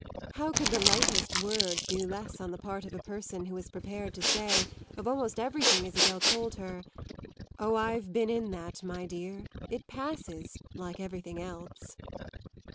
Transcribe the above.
How could the lightest word do less on the part of a person who was prepared to say, of almost everything Isabel told her, "Oh, I've been in that, my dear; it passes, like everything else."